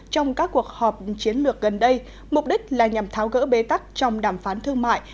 trong các cuộc họp chiến lược gần đây mục đích là nhằm tháo gỡ bế tắc trong đàm phán thương mại